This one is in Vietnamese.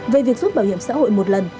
về việc rút bảo hiểm xã hội một lần